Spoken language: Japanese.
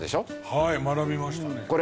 はい学びましたね。